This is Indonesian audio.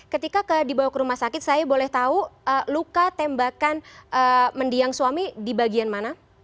ketika dibawa ke rumah sakit saya boleh tahu luka tembakan mendiang suami di bagian mana